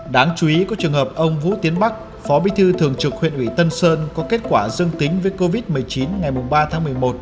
đáng chú ý có trường hợp ông vũ tiến bắc phó bí thư thường trực huyện ủy tân sơn có kết quả dương tính với covid một mươi chín ngày ba tháng một mươi một